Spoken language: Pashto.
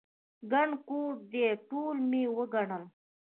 ګڼه کور دی، ټول مې وګڼل.